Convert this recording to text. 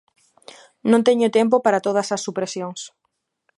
Non teño tempo para todas as supresións.